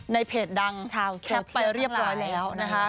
ในเพจดังแคปไปเรียบร้อยแล้วชาวโซเทียร์ทั้งหลาย